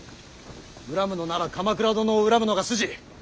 恨むのなら鎌倉殿を恨むのが筋。